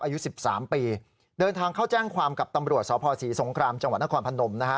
อายุ๑๓ปีเดินทางเข้าแจ้งความกับตำรวจสภศรีสงครามจังหวัดนครพนมนะฮะ